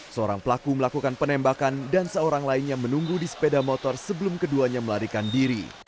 seorang pelaku melakukan penembakan dan seorang lainnya menunggu di sepeda motor sebelum keduanya melarikan diri